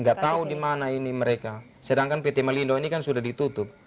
nggak tahu di mana ini mereka sedangkan pt malindo ini kan sudah ditutup